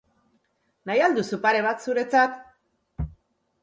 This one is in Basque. Nahi al duzu pare bat zuretzat?